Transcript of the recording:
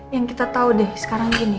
yang kita tahu deh sekarang gini